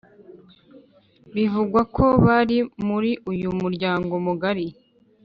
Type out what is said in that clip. bivugwa ko bari muri uyu muryango mugari.